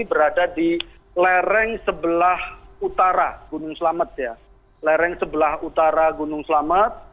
berada di lereng sebelah utara gunung selamat ya lereng sebelah utara gunung selamat